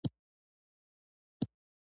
هم لوستونکی هم څېړونکی په خبر واوسي.